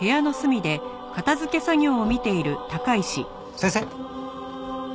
先生？